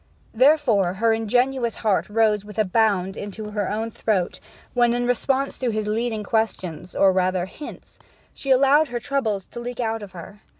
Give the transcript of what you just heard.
Therefore her ingenuous heart rose with a bound into her throat when, in response to his leading questions, or rather hints, she allowed her troubles to leak out of her.